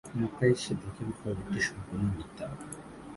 মক্কায় এসে দেখেন খবরটি সম্পূর্ণ মিথ্যা।